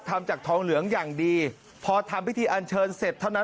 ทำจากทองเหลืองอย่างดีพอทำพิธีอันเชิญเสร็จเท่านั้น